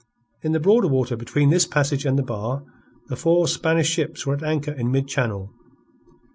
In the broader water between this passage and the bar, the four Spanish ships were at anchor in mid channel.